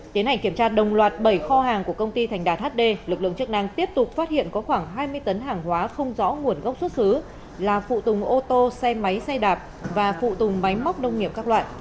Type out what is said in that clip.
tiến hành kiểm tra đồng loạt bảy kho hàng của công ty thành đạt hd lực lượng chức năng tiếp tục phát hiện có khoảng hai mươi tấn hàng hóa không rõ nguồn gốc xuất xứ là phụ tùng ô tô xe máy xe đạp và phụ tùng máy móc nông nghiệp các loại